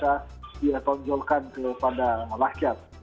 yang bisa ditetapkan kepada rakyat